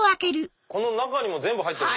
この中にも全部入ってる！